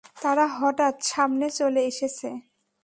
তারা হঠাৎ সামনে চলে এসেছে।